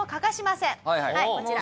はいこちら。